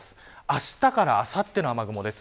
あしたからあさっての雨雲です。